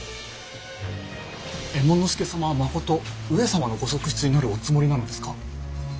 右衛門佐様はまこと上様のご側室になるおつもりなのですか？